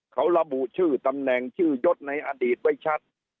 เขาระบุชื่อตำแหน่งชื่อยศในอดีตไว้ชัด